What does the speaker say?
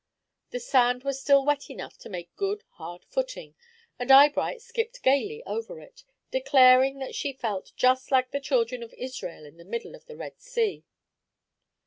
The sand was still wet enough to make good hard footing, and Eyebright skipped gayly over it, declaring that she felt just like the children of Israel in the middle of the Red Sea.